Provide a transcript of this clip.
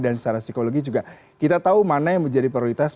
secara psikologi juga kita tahu mana yang menjadi prioritas